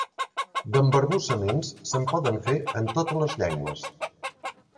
D'embarbussaments se'n poden fer en totes les llengües.